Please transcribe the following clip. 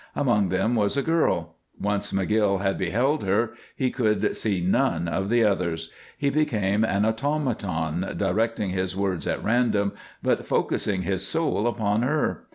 Among them was a girl. Once McGill had beheld her, he could see none of the others; he became an automaton, directing his words at random, but focusing his soul upon her.